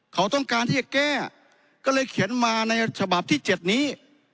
เขาต้องการที่จะแก้ก็เลยเขียนมาในฉบับที่๗นี้